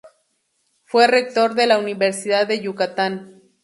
Fue rector de la Universidad de Yucatán.